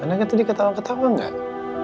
karena kan tadi ketawa ketawa gak